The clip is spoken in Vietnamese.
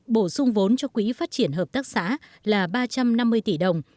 bổ sung vốn cho quỹ phát triển hợp tác xã là ba trăm năm mươi tỷ đồng